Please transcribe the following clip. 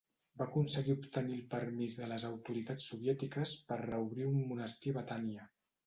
Va aconseguir obtenir el permís de les autoritats soviètiques per reobrir un monestir a Betània.